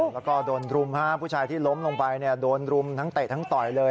แล้วก็โดนรุมผู้ชายที่ล้มลงไปโดนรุมทั้งเตะทั้งต่อยเลย